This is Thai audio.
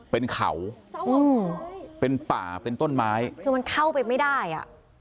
เป็นเขาอืมเป็นป่าเป็นต้นไม้คือมันเข้าไปไม่ได้อ่ะ